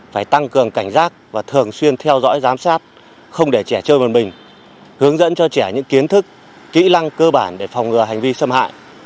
phải tăng cường cảnh giác và thường xuyên theo dõi giám sát không để trẻ chơi vần mình hướng dẫn cho trẻ những kiến thức kỹ năng cơ bản để phòng ngừa hành vi xâm hại